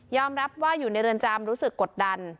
รับว่าอยู่ในเรือนจำรู้สึกกดดัน